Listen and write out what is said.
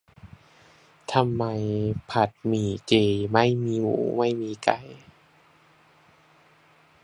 ทำไมผัดหมี่เจไม่มีหมูไม่มีไก่ :'